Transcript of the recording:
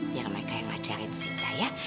biar mereka yang ngajarin sinta ya